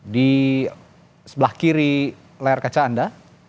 di sebelah kiri layar kaca anda